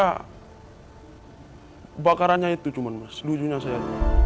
hai bakarannya itu cuma mesin ujungnya saya